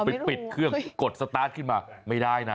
ไปปิดเครื่องกดสตาร์ทขึ้นมาไม่ได้นะ